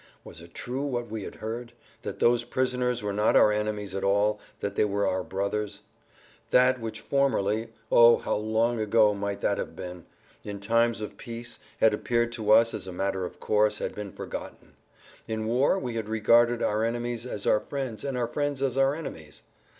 Was it true what we had heard—that those prisoners were not our enemies at all, that they were our brothers? That which formerly—O how long ago might that have been!—in times of peace, had appeared to us as a matter of course had been forgotten; in war we had regarded our enemies as our friends and our friends as our enemies.